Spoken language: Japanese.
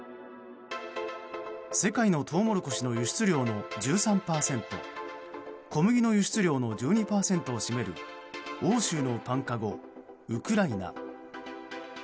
世界のトウモロコシの輸出量の１３％小麦の輸出量の１２％を占める欧州のパンかご、ウクライナ。